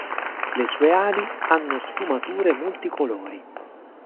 Le sue ali hanno sfumature multicolori.